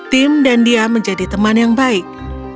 tim dan dia menjadi teman yang baik